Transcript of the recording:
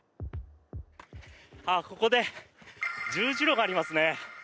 ここで十字路がありますね。